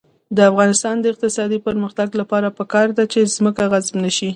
د افغانستان د اقتصادي پرمختګ لپاره پکار ده چې ځمکه غصب نشي.